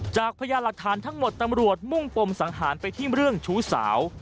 พยานหลักฐานทั้งหมดตำรวจมุ่งปมสังหารไปที่เรื่องชู้สาว